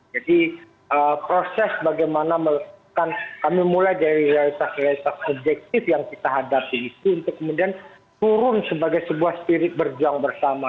jadi proses bagaimana melakukan kami mulai dari realitas realitas objektif yang kita hadapi itu untuk kemudian turun sebagai sebuah spirit berjuang bersama